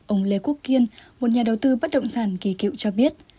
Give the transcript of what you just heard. ông lê quốc kiên một nhà đầu tư bất động sản kỳ cựu cho biết